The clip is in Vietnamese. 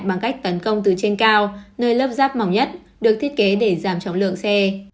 bằng cách tấn công từ trên cao nơi lớp giáp mỏng nhất được thiết kế để giảm chóng lượng xe